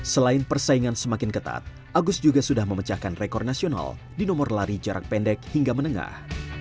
selain persaingan semakin ketat agus juga sudah memecahkan rekor nasional di nomor lari jarak pendek hingga menengah